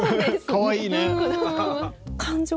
かわいいね。